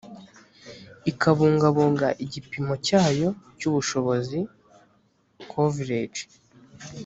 ikabungabunga igipimo cyayo cy ubushobozi coverage